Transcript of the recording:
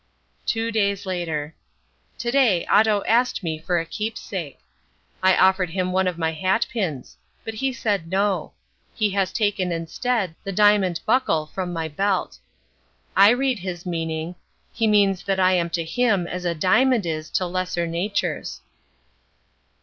Two Days Later. To day Otto asked me for a keepsake. I offered him one of my hatpins. But he said no. He has taken instead the diamond buckle from my belt. I read his meaning. He means that I am to him as a diamond is to lesser natures.